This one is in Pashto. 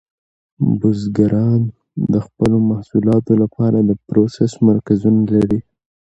بزګران د خپلو محصولاتو لپاره د پروسس مرکزونه لري.